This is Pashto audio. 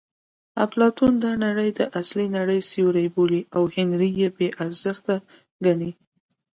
اپلاتون دا نړۍ د اصلي نړۍ سیوری بولي او هنر یې بې ارزښته ګڼي